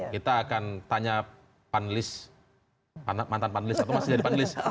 kita akan tanya panelis mantan panelis atau masih jadi panelis